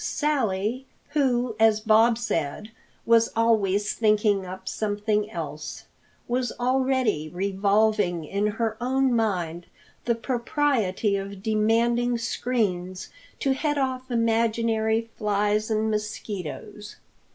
Sally, who, as Bob said, was "always thinking up something else," was already revolving in her own mind the propriety of demanding screens to head off imaginary flies and mosquitoes.